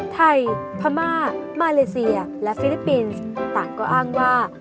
พม่ามาเลเซียและฟิลิปปินส์ต่างก็อ้างว่า